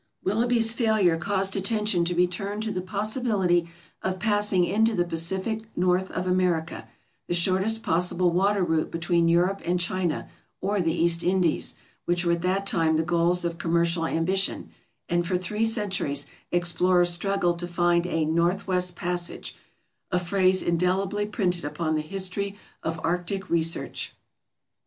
Willoughby's failure caused attention to be turned to the possibility of passing into the Pacific north of America, the shortest possible water route between Europe and China or the East Indies, which were at that time the goals of commercial ambition; and for three centuries explorers struggled to find a "Northwest Passage" — a phrase indelibly printed upon the history of arctic research.